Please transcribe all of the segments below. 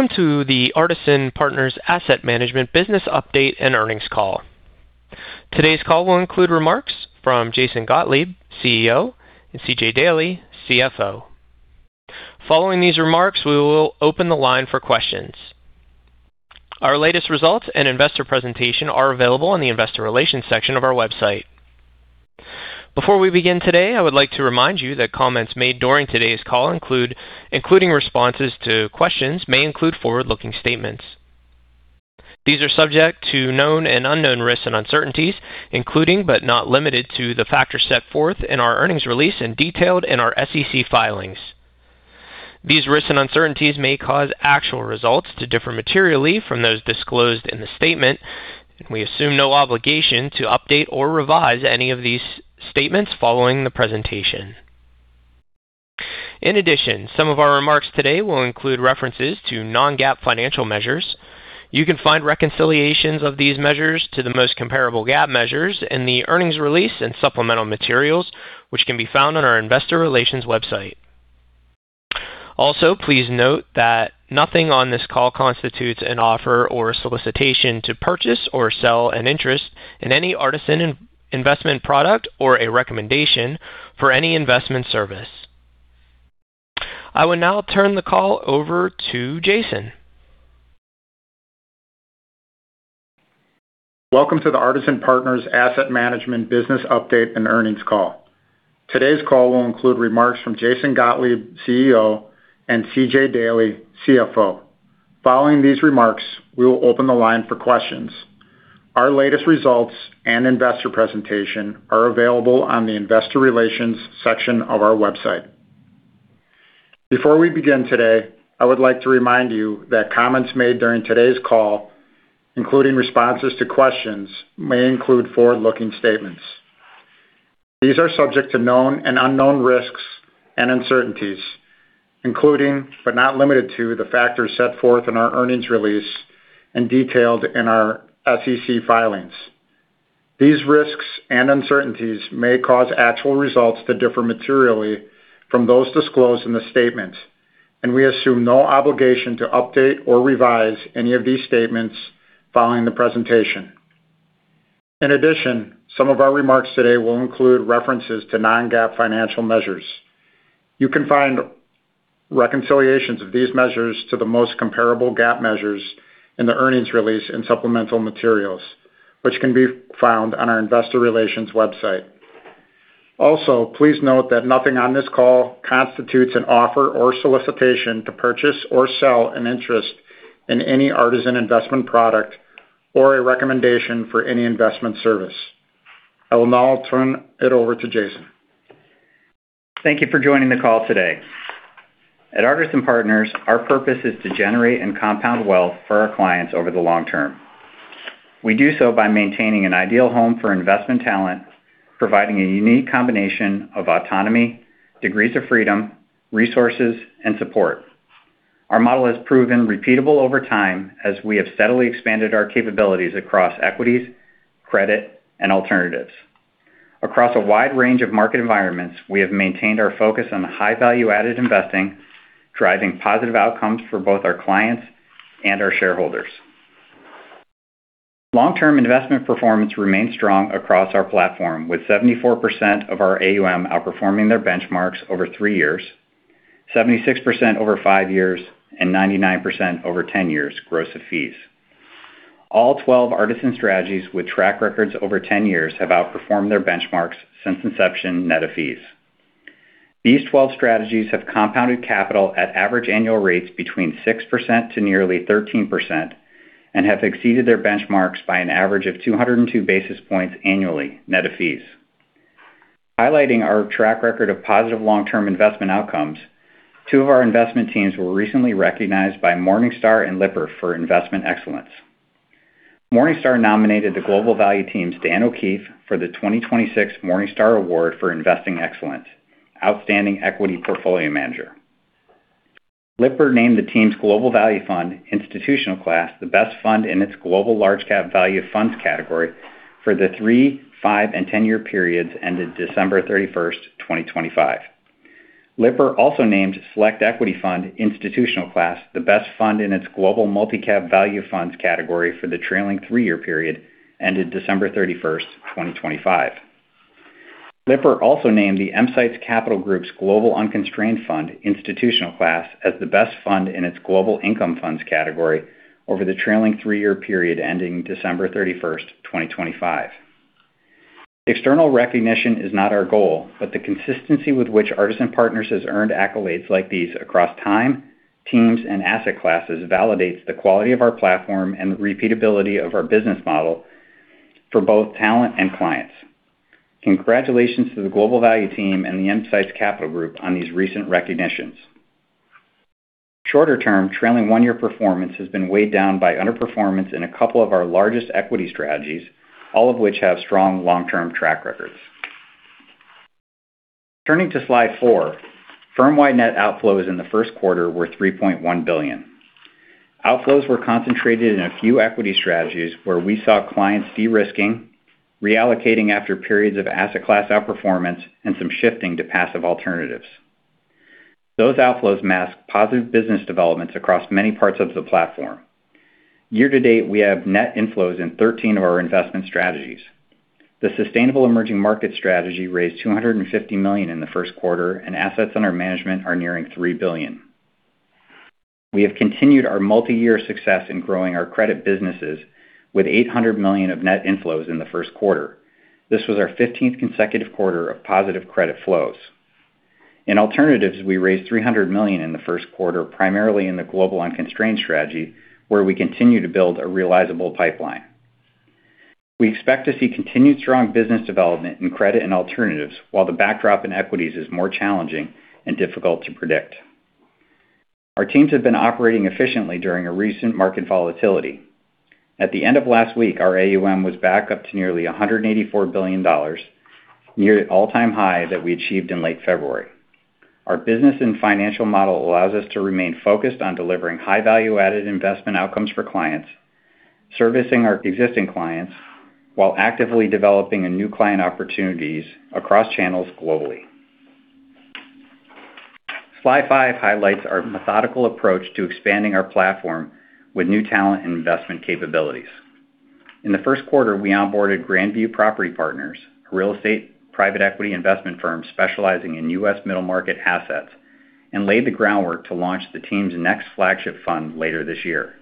Welcome to the Artisan Partners Asset Management business update and earnings call. Today's call will include remarks from Jason Gottlieb, CEO, and C.J. Daley, CFO. Following these remarks, we will open the line for questions. Our latest results and investor presentation are available on the investor relations section of our website. Before we begin today, I would like to remind you that comments made during today's call, including responses to questions, may include forward-looking statements. These are subject to known and unknown risks and uncertainties, including, but not limited to, the factors set forth in our earnings release and detailed in our SEC filings. These risks and uncertainties may cause actual results to differ materially from those disclosed in the statements. We assume no obligation to update or revise any of these statements following the presentation. In addition, some of our remarks today will include references to non-GAAP financial measures. You can find reconciliations of these measures to the most comparable GAAP measures in the earnings release and supplemental materials, which can be found on our Investor Relations website. Also, please note that nothing on this call constitutes an offer or solicitation to purchase or sell an interest in any Artisan investment product or a recommendation for any investment service. I will now turn it over to Jason. Thank you for joining the call today. At Artisan Partners, our purpose is to generate and compound wealth for our clients over the long term. We do so by maintaining an ideal home for investment talent, providing a unique combination of autonomy, degrees of freedom, resources, and support. Our model has proven repeatable over time as we have steadily expanded our capabilities across equities, credit, and alternatives. Across a wide range of market environments, we have maintained our focus on high-value-added investing, driving positive outcomes for both our clients and our shareholders. Long-term investment performance remains strong across our platform, with 74% of our AUM outperforming their benchmarks over three years, 76% over five years, and 99% over 10 years gross of fees. All 12 Artisan strategies with track records over 10 years have outperformed their benchmarks since inception net of fees. These 12 strategies have compounded capital at average annual rates between 6% to nearly 13% and have exceeded their benchmarks by an average of 202 basis points annually net of fees. Highlighting our track record of positive long-term investment outcomes, two of our investment teams were recently recognized by Morningstar and Lipper for investment excellence. Morningstar nominated Global Value Team's Dan O'Keefe for the 2026 Morningstar Award for Investing Excellence: Outstanding Equity Portfolio Manager. Lipper named the team's Global Value Fund, Institutional Class the best fund in its Global Large-Cap Value Funds category for the three, five, and 10-year periods ended December 31st, 2025. Lipper also named Select Equity Fund, Institutional Class the best fund in its Global Multi-Cap Value Funds category for the trailing three-year period ended December 31st, 2025. Lipper also named the EMsights Capital Group's Artisan Global Unconstrained Fund, Institutional Class as the best fund in its Global Income Funds category over the trailing three-year period ending December 31st, 2025. External recognition is not our goal, but the consistency with which Artisan Partners has earned accolades like these across time, teams, and asset classes validates the quality of our platform and the repeatability of our business model for both talent and clients. Congratulations to the Global Value Team and the EMsights Capital Group on these recent recognitions. Shorter-term trailing one-year performance has been weighed down by underperformance in a couple of our largest equity strategies, all of which have strong long-term track records. Turning to slide four, firm-wide net outflows in the first quarter were $3.1 billion. Outflows were concentrated in a few equity strategies where we saw clients de-risking, reallocating after periods of asset class outperformance and some shifting to passive alternatives. Those outflows mask positive business developments across many parts of the platform. Year to date, we have net inflows in 13% of our investment strategies. The sustainable emerging market strategy raised $250 million in the first quarter, and assets under management are nearing $3 billion. We have continued our multi-year success in growing our credit businesses with $800 million of net inflows in the first quarter. This was our 15th consecutive quarter of positive credit flows. In alternatives, we raised $300 million in the first quarter, primarily in the global unconstrained strategy, where we continue to build a realizable pipeline. We expect to see continued strong business development in credit and alternatives, while the backdrop in equities is more challenging and difficult to predict. Our teams have been operating efficiently during a recent market volatility. At the end of last week, our AUM was back up to nearly $184 billion, near an all-time high that we achieved in late February. Our business and financial model allows us to remain focused on delivering high-value-added investment outcomes for clients, servicing our existing clients, while actively developing new client opportunities across channels globally. Slide five highlights our methodical approach to expanding our platform with new talent and investment capabilities. In the first quarter, we onboarded Grandview Property Partners, a real estate private equity investment firm specializing in U.S. middle market assets, and laid the groundwork to launch the team's next flagship fund later this year.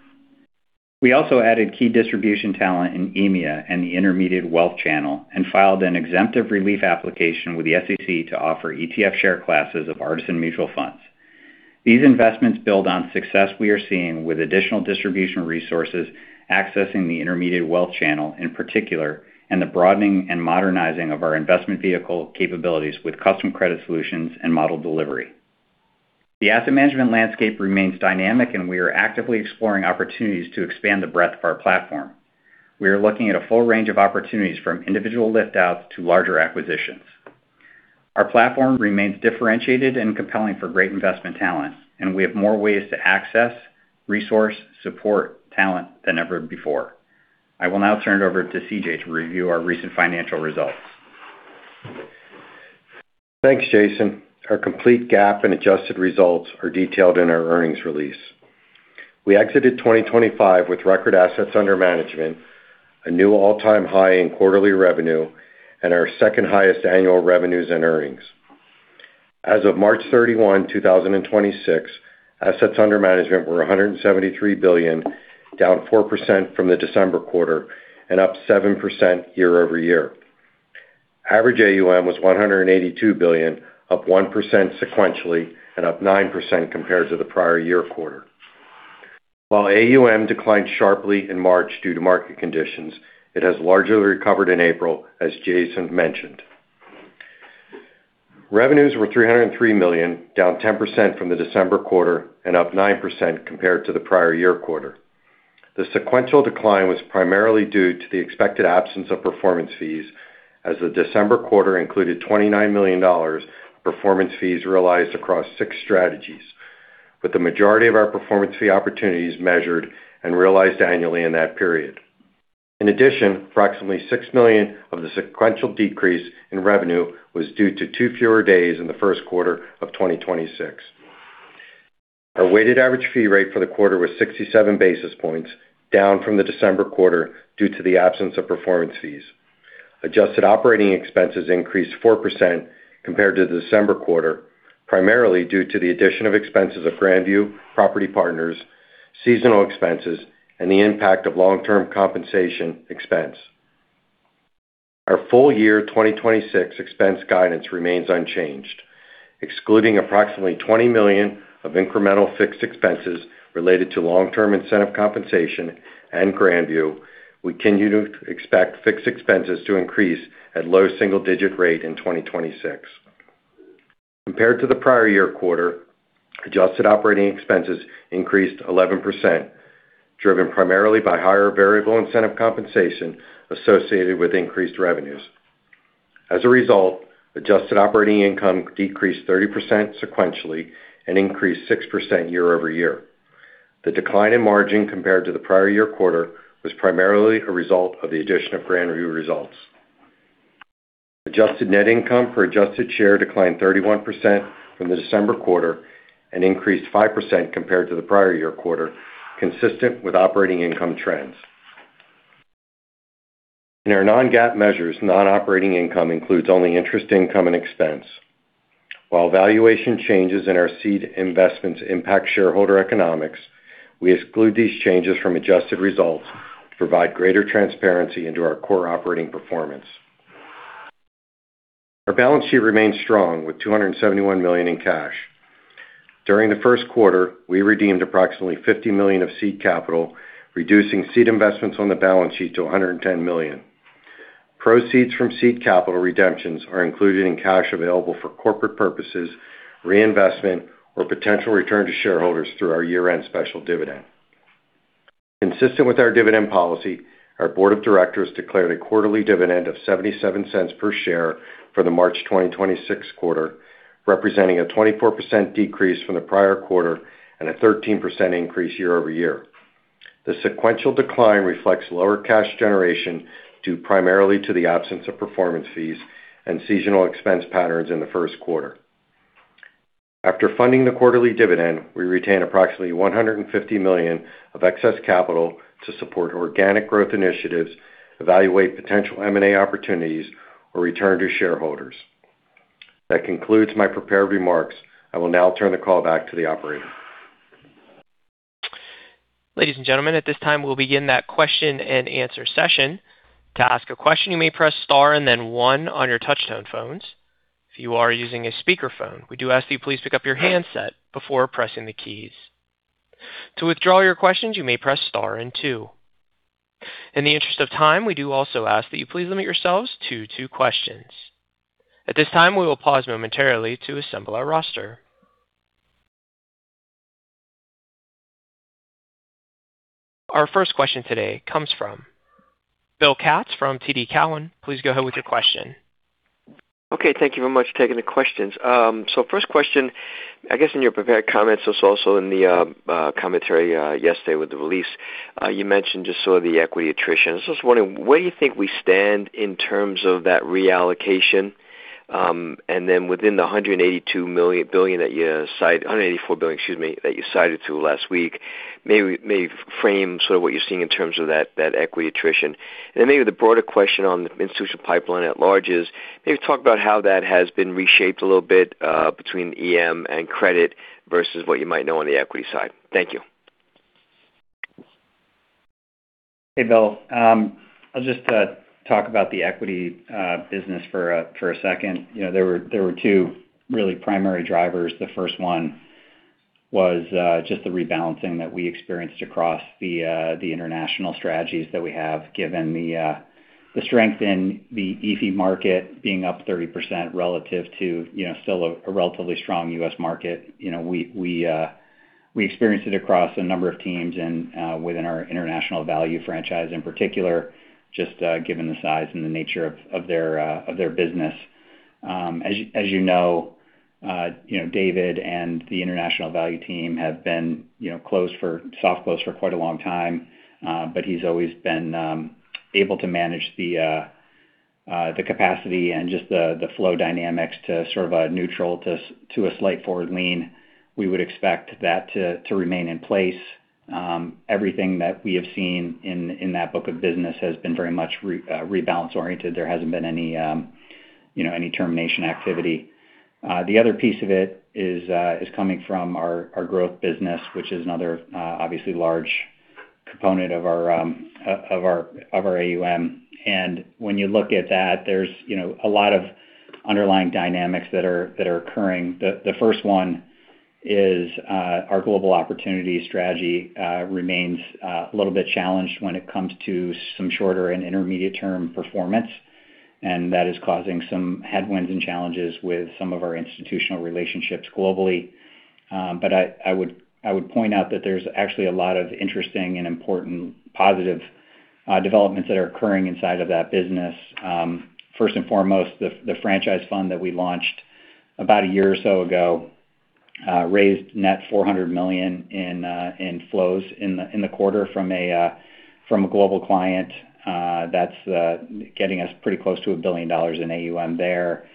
We also added key distribution talent in EMEA and the intermediate wealth channel and filed an exemptive relief application with the SEC to offer ETF share classes of Artisan Mutual Funds. These investments build on success we are seeing with additional distribution resources accessing the intermediate wealth channel in particular, and the broadening and modernizing of our investment vehicle capabilities with custom credit solutions and model delivery. The asset management landscape remains dynamic, and we are actively exploring opportunities to expand the breadth of our platform. We are looking at a full range of opportunities from individual lift outs to larger acquisitions. Our platform remains differentiated and compelling for great investment talent, and we have more ways to access, resource, support talent than ever before. I will now turn it over to C.J. to review our recent financial results. Thanks, Jason. Our complete GAAP and adjusted results are detailed in our earnings release. We exited 2025 with record assets under management, a new all-time high in quarterly revenue, and our second highest annual revenues and earnings. As of March 31, 2026, assets under management were $173 billion, down 4% from the December quarter and up 7% year-over-year. Average AUM was $182 billion, up 1% sequentially and up 9% compared to the prior year quarter. While AUM declined sharply in March due to market conditions, it has largely recovered in April, as Jason mentioned. Revenues were $303 million, down 10% from the December quarter and up 9% compared to the prior year quarter. The sequential decline was primarily due to the expected absence of performance fees as the December quarter included $29 million performance fees realized across six strategies, with the majority of our performance fee opportunities measured and realized annually in that period. Approximately $6 million of the sequential decrease in revenue was due to two fewer days in the first quarter of 2026. Our weighted average fee rate for the quarter was 67 basis points, down from the December quarter due to the absence of performance fees. Adjusted operating expenses increased 4% compared to the December quarter, primarily due to the addition of expenses of Grandview Property Partners, seasonal expenses, and the impact of long-term compensation expense. Our full-year 2026 expense guidance remains unchanged, excluding approximately $20 million of incremental fixed expenses related to long-term incentive compensation and Grandview. We continue to expect fixed expenses to increase at low single-digit rate in 2026. Compared to the prior-year quarter, adjusted operating expenses increased 11%, driven primarily by higher variable incentive compensation associated with increased revenues. As a result, adjusted operating income decreased 30% sequentially and increased 6% year-over-year. The decline in margin compared to the prior year quarter was primarily a result of the addition of Grandview results. Adjusted net income per adjusted share declined 31% from the December quarter and increased 5% compared to the prior year quarter, consistent with operating income trends. In our non-GAAP measures, non-operating income includes only interest income and expense. While valuation changes in our seed investments impact shareholder economics, we exclude these changes from adjusted results to provide greater transparency into our core operating performance. Our balance sheet remains strong with $271 million in cash. During the first quarter, we redeemed approximately $50 million of seed capital, reducing seed investments on the balance sheet to $110 million. Proceeds from seed capital redemptions are included in cash available for corporate purposes, reinvestment, or potential return to shareholders through our year-end special dividend. Consistent with our dividend policy, our Board of Directors declared a quarterly dividend of $0.77 per share for the March 2026 quarter, representing a 24% decrease from the prior quarter and a 13% increase year-over-year. The sequential decline reflects lower cash generation due primarily to the absence of performance fees and seasonal expense patterns in the first quarter. After funding the quarterly dividend, we retain approximately $150 million of excess capital to support organic growth initiatives, evaluate potential M&A opportunities or return to shareholders. That concludes my prepared remarks. I will now turn the call back to the operator. Ladies and gentlemen, at this time we'll begin the question-and-answer session. To ask a question, you may press star then one on your touch-tone phones. If you are using a speaker phone, could you kindly please pick up your handset before pressing the keys. To withdraw your question, you may press star and two. In the interest of time, we do also ask that you please limit yourself to two questions. At this time, we will pause momentarily to assemble our roster. Our first question today comes from Bill Katz from TD Cowen. Please go ahead with your question. Okay, thank you very much for taking the questions. First question, I guess in your prepared comments was also in the commentary yesterday with the release. You mentioned the equity attrition. I was wondering, where do you think we stand in terms of that reallocation? Within the $184 billion, excuse me, that you cited to last week, frame what you're seeing in terms of that equity attrition. The broader question on the institutional pipeline at large is, talk about how that has been reshaped between EM and credit versus what you might know on the equity side. Thank you. Hey, Bill. I'll just talk about the equity business for a second. You know, there were two really primary drivers. The first one was just the rebalancing that we experienced across the international strategies that we have, given the strength in the EAFE market being up 30% relative to, you know, a relatively strong U.S. market. You know, we experienced it across a number of teams and within our International Value franchise in particular, just given the size and the nature of their business. As you know, you know, David and the International Value Team have been, you know, soft closed for quite a long time. He's always been able to manage the capacity and just the flow dynamics to sort of a neutral to a slight forward lean. We would expect that to remain in place. Everything that we have seen in that book of business has been very much rebalance-oriented. There hasn't been any, you know, any termination activity. The other piece of it is coming from our growth business, which is another obviously large component of our AUM. When you look at that, there's, you know, a lot of underlying dynamics that are occurring. The first one is our global opportunity strategy remains a little bit challenged when it comes to some shorter and intermediate term performance. That is causing some headwinds and challenges with some of our institutional relationships globally. I would, I would point out that there's actually a lot of interesting and important positive developments that are occurring inside of that business. First and foremost, the franchise fund that we launched about a year or so ago, raised net $400 million in flows in the quarter from a global client. That's getting us pretty close to $1 billion in AUM there.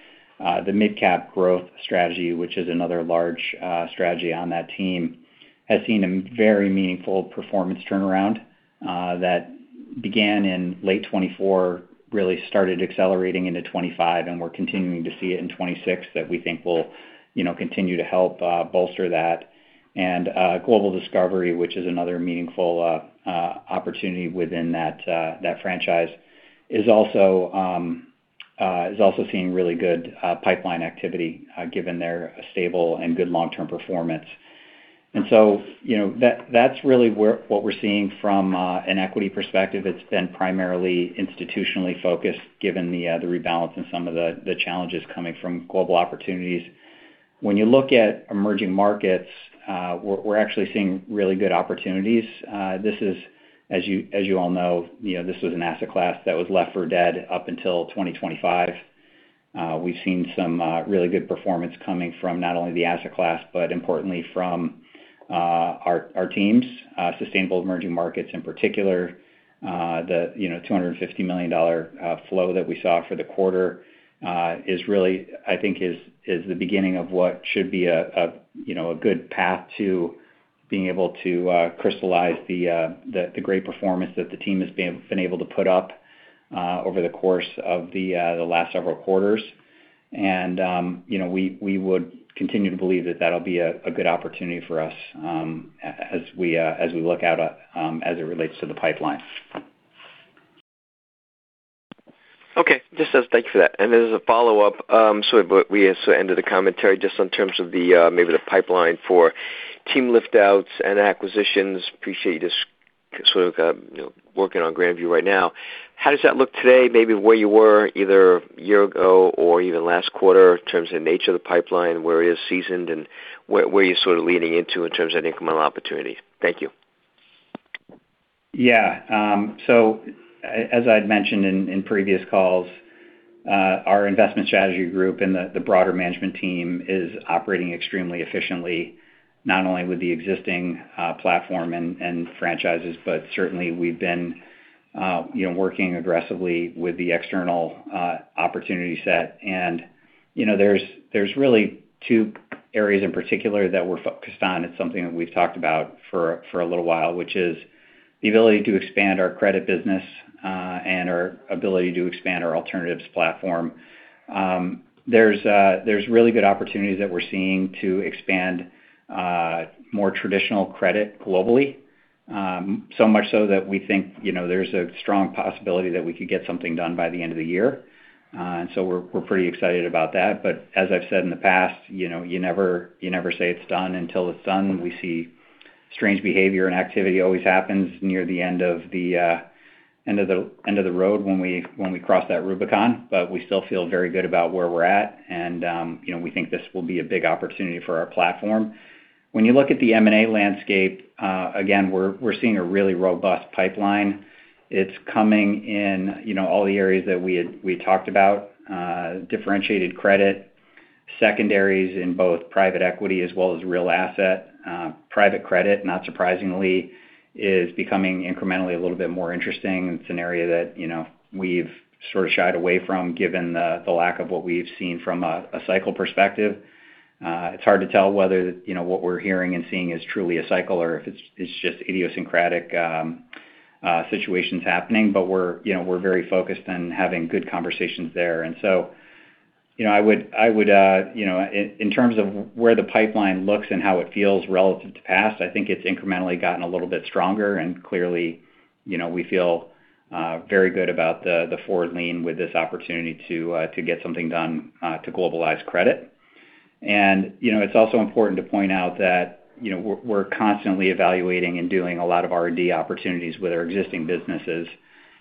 The Mid-Cap Growth Strategy, which is another large strategy on that team, has seen a very meaningful performance turnaround that began in late 2024, really started accelerating into 2025, and we're continuing to see it in 2026, that we think will, you know, continue to help bolster that. Global Discovery, which is another meaningful opportunity within that franchise, is also seeing really good pipeline activity given their stable and good long-term performance. You know, that's really what we're seeing from an equity perspective. It's been primarily institutionally focused given the rebalance and some of the challenges coming from global opportunities. When you look at Emerging Markets, we're actually seeing really good opportunities. This is, as you, as you all know, you know, this was an asset class that was left for dead up until 2025. We've seen some really good performance coming from not only the asset class, but importantly from our teams, Sustainable Emerging Markets in particular. The, you know, $250 million flow that we saw for the quarter, is really, I think is the beginning of what should be a, you know, a good path to being able to, crystallize the, the great performance that the team has been able to put up, over the course of the last several quarters. You know, we would continue to believe that that'll be a good opportunity for us, as we, as we look out, as it relates to the pipeline. Okay. Thank you for that. As a follow-up, sort of what we ended the commentary just in terms of the maybe the pipeline for team lift outs and acquisitions. Appreciate you just sort of, you know, working on Grandview right now. How does that look today? Maybe where you were either a year ago or even last quarter in terms of the nature of the pipeline, where it is seasoned, and where you're sort of leaning into in terms of incremental opportunity. Thank you. Yeah. As I'd mentioned in previous calls, our investment strategy group and the broader management team is operating extremely efficiently, not only with the existing platform and franchises, but certainly we've been working aggressively with the external opportunity set. You know, there's really two areas in particular that we're focused on. It's something that we've talked about for a little while, which is the ability to expand our credit business and our ability to expand our alternatives platform. There's really good opportunities that we're seeing to expand more traditional credit globally. So much so that we think, you know, there's a strong possibility that we could get something done by the end of the year. We're pretty excited about that. As I've said in the past, you know, you never say it's done until it's done. We see strange behavior and activity always happens near the end of the end of the road when we cross that Rubicon. We still feel very good about where we're at, and, you know, we think this will be a big opportunity for our platform. When you look at the M&A landscape, again, we're seeing a really robust pipeline. It's coming in, you know, all the areas that we had talked about, differentiated credit, secondaries in both private equity as well as real asset. Private credit, not surprisingly, is becoming incrementally a little bit more interesting. It's an area that, you know, we've sort of shied away from given the lack of what we've seen from a cycle perspective. It's hard to tell whether, you know, what we're hearing and seeing is truly a cycle or if it's just idiosyncratic situations happening. We're, you know, we're very focused on having good conversations there. In terms of where the pipeline looks and how it feels relative to past, I think it's incrementally gotten a little bit stronger. Clearly, you know, we feel very good about the forward lean with this opportunity to get something done to globalize credit. You know, it's also important to point out that, you know, we're constantly evaluating and doing a lot of R&D opportunities with our existing businesses,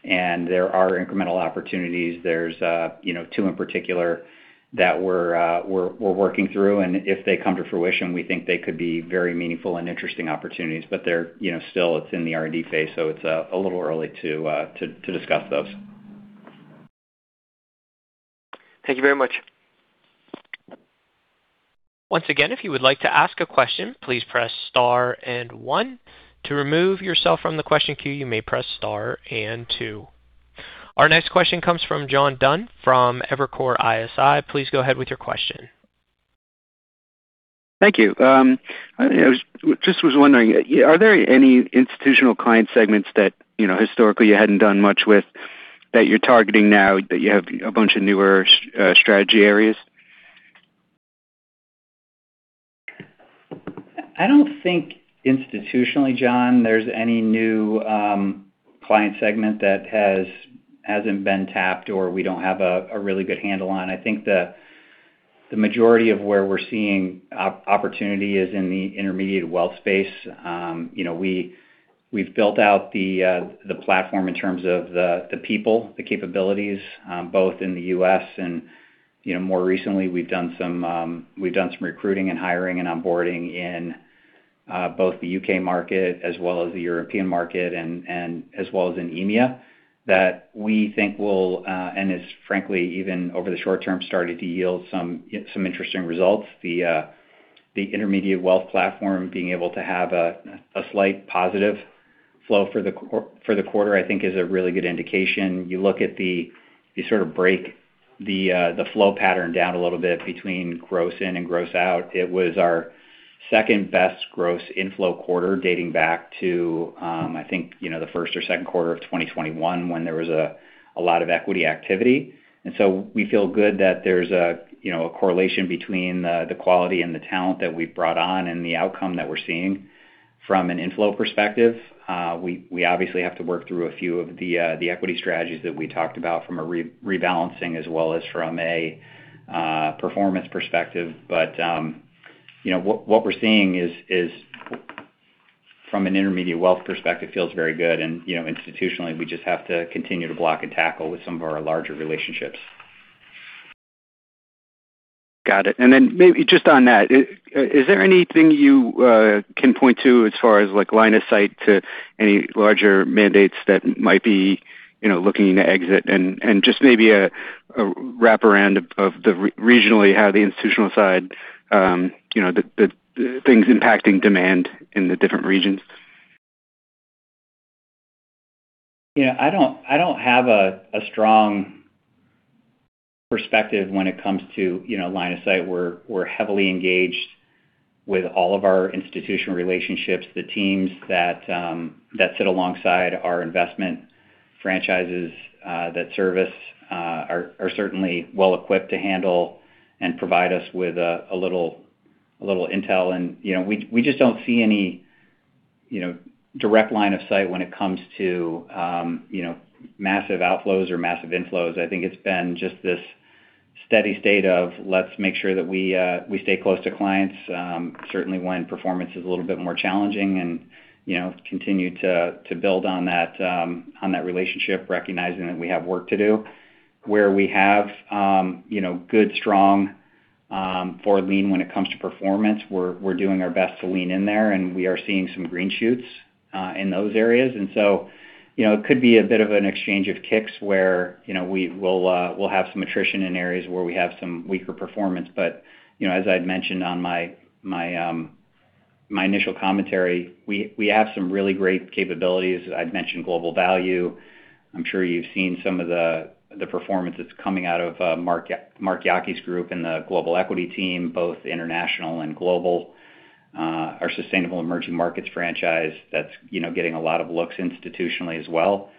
and there are incremental opportunities. There's, you know, two in particular that we're working through, and if they come to fruition, we think they could be very meaningful and interesting opportunities. They're, you know, still it's in the R&D phase, so it's a little early to discuss those. Thank you very much. Once again, if you would like to ask a question, please press star and one. To remove yourself from the question queue, you may press star and two. Our next question comes from John Dunn from Evercore ISI. Please go ahead with your question. Thank you. I just was wondering, are there any institutional client segments that, you know, historically you hadn't done much with that you're targeting now that you have a bunch of newer strategy areas? I don't think institutionally, John, there's any new client segment that hasn't been tapped or we don't have a really good handle on. I think the majority of where we're seeing opportunity is in the intermediate wealth space. You know, we've built out the platform in terms of the people, the capabilities, both in the U.S. and, you know, more recently we've done some recruiting and hiring and onboarding in both the U.K. market as well as the European market as well as in EMEA, that we think will and is frankly even over the short term, starting to yield some interesting results. The intermediate wealth platform being able to have a slight positive flow for the quarter, I think is a really good indication. You sort of break the flow pattern down a little bit between gross in and gross out. It was our second-best gross inflow quarter dating back to, I think, you know, the first or second quarter of 2021 when there was a lot of equity activity. We feel good that there's a, you know, a correlation between the quality and the talent that we've brought on and the outcome that we're seeing. From an inflow perspective, we obviously have to work through a few of the equity strategies that we talked about from a re-rebalancing as well as from a performance perspective. You know, what we're seeing is from an intermediate wealth perspective, feels very good. You know, institutionally, we just have to continue to block and tackle with some of our larger relationships. Got it. Then maybe just on that, is there anything you can point to as far as like line of sight to any larger mandates that might be, you know, looking to exit? Just maybe a wrap around of the regionally, how the institutional side, you know, the things impacting demand in the different regions. I don't have a strong perspective when it comes to, you know, line of sight. We're heavily engaged with all of our institutional relationships. The teams that sit alongside our investment franchises that service are certainly well equipped to handle and provide us with a little intel and, you know. We just don't see any, you know, direct line of sight when it comes to, you know, massive outflows or massive inflows. I think it's been just this steady state of, let's make sure that we stay close to clients, certainly when performance is a little bit more challenging and, you know, continue to build on that on that relationship, recognizing that we have work to do. Where we have, you know, good, strong, forward lean when it comes to performance, we're doing our best to lean in there. We are seeing some green shoots in those areas. You know, it could be a bit of an exchange of kicks where, you know, we'll have some attrition in areas where we have some weaker performance. You know, as I'd mentioned on my initial commentary, we have some really great capabilities. I'd mentioned Global Value. I'm sure you've seen some of the performance that's coming out of Mark Yockey's group and the Global Equity Team, both international and global. Our sustainable emerging markets franchise that's, you know, getting a lot of looks institutionally as well.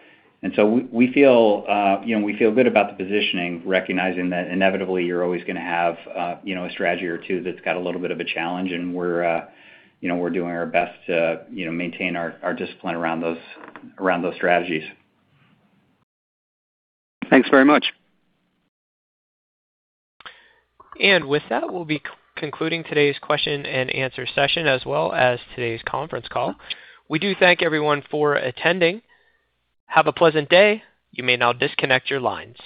We feel, you know, we feel good about the positioning, recognizing that inevitably you're always gonna have, you know, a strategy or two that's got a little bit of a challenge. We're, you know, we're doing our best to, you know, maintain our discipline around those strategies. Thanks very much. With that, we'll be concluding today's question-and-answer session, as well as today's conference call. We do thank everyone for attending. Have a pleasant day. You may now disconnect your lines.